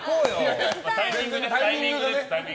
タイミングです。